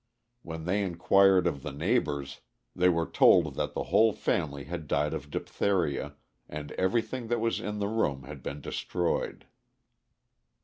When they inquired of the neighbors, they were told that the whole family had died of diphtheria, and everything that was in the room had been destroyed.